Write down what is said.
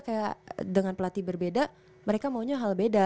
kayak dengan pelatih berbeda mereka maunya hal beda